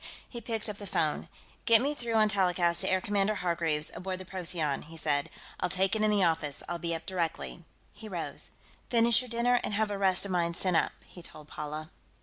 He picked up the phone. "Get me through on telecast to Air Commodore Hargreaves, aboard the Procyon," he said. "I'll take it in the office; I'll be up directly." He rose. "Finish your dinner, and have the rest of mine sent up," he told Paula.